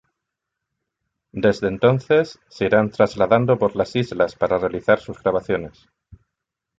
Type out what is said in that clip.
Desde entonces, se irán trasladando por las islas para realizar sus grabaciones.